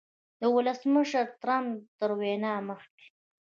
د ولسمشر ټرمپ تر وینا مخکې